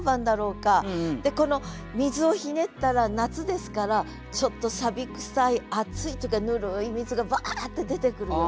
で水をひねったら夏ですからちょっとくさい熱いとかぬるい水がバーッて出てくるような。